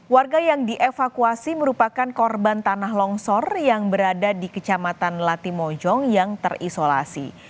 warga yang dievakuasi merupakan korban tanah longsor yang berada di kecamatan latimojong yang terisolasi